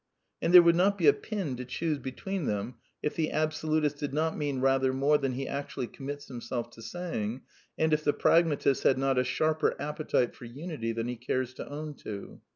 And there would not be a pin to choose between them if the absolutist did not mean rather more than he actually oommits himfldf to saying, and if the pragmatiat had not a sharper appetite for unity than he cares to own to.